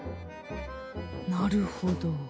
なるほど。